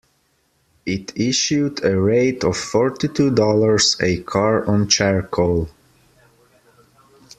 It issued a rate of forty two dollars a car on charcoal.